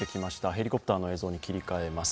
ヘリコプターの映像に切り替えます。